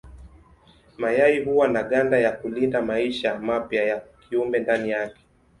Mayai huwa na ganda ya kulinda maisha mapya ya kiumbe ndani yake.